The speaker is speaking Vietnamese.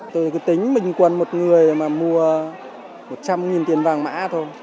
tôi cứ tính mình quần một người mà mua một trăm linh tiền vàng mã thôi